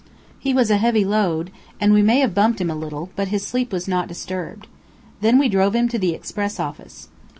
He was a heavy load, and we may have bumped him a little, but his sleep was not disturbed. Then we drove him to the express office.